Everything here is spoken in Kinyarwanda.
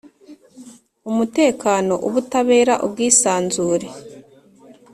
Umutekano, ubutabera, ubwisanzure,